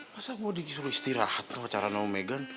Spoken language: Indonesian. masa gue disuruh istirahat sama pacaran sama megan